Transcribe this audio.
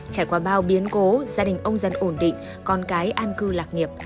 trải qua bao biến cố gia đình ông dân ổn định con cái an cư lạc nghiệp